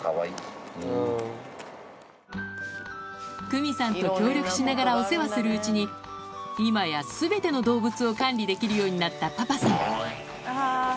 くみさんと協力しながらお世話するうちに今や全ての動物を管理できるようになったパパさん